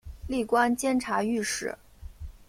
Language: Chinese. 历官监察御史。